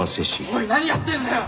おい何やってんだよ！